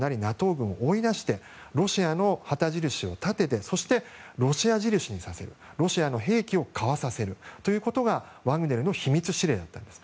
軍を追い出してロシアの旗印を立ててそして、ロシア印にさせるロシアの兵器を買わせるということがワグネルの秘密指令だったんです。